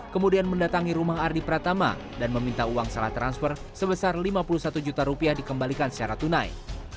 kemudian mendatangi rumah ardi pratama dan meminta uang salah transfer sebesar lima puluh satu juta rupiah dikembalikan secara tunai